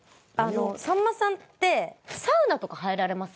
さんまさんってサウナとか入られます？